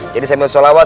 jadi sambil sholawat